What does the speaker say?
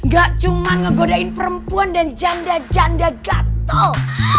gak cuma ngegodain perempuan dan janda janda gatot